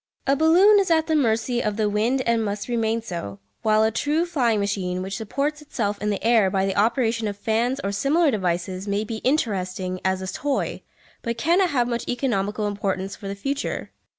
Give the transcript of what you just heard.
A balloon is at the mercy of the wind and must remain so, while a true flying machine, which supports itself in the air by the operation of fans or similar devices, may be interesting as a toy, but cannot have much economical importance for the future.